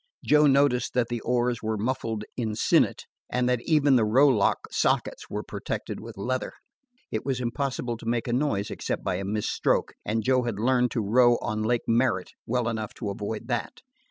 Joe noticed that the oars were muffled with sennit, and that even the rowlock sockets were protected with leather. It was impossible to make a noise except by a mis stroke, and Joe had learned to row on Lake Merrit well enough to avoid that.